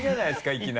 いきなり。